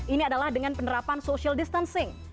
ini adalah dengan penerapan social distancing